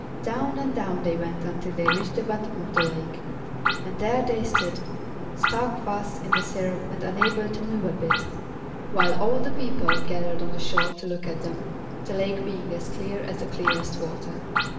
Down and down they went until they reached the bottom of the lake; and there they stood, stuck fast in the syrup and unable to move a bit, while all the people gathered on the shore to look at them, the lake being as clear as the clearest water.